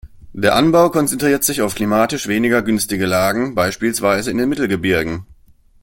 Der Anbau konzentriert sich auf klimatisch weniger günstige Lagen beispielsweise in den Mittelgebirgen.